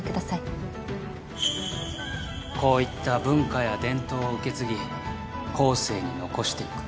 こういった文化や伝統を受け継ぎ後世に残していく。